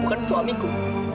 kamu bukan suamiku